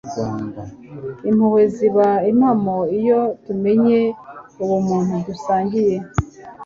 impuhwe ziba impamo iyo tumenye ubumuntu dusangiye